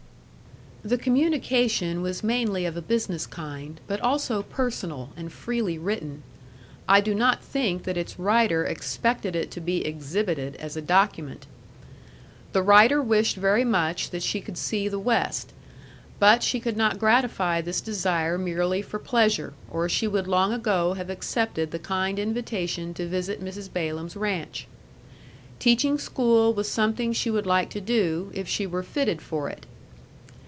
The communication was mainly of a business kind, but also personal, and freely written. I do not think that its writer expected it to be exhibited as a document. The writer wished very much that she could see the West. But she could not gratify this desire merely for pleasure, or she would long ago have accepted the kind invitation to visit Mrs. Balaam's ranch. Teaching school was something she would like to do, if she were fitted for it.